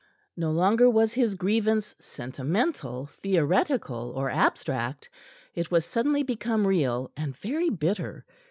No longer was his grievance sentimental, theoretical or abstract. It was suddenly become real and very bitter.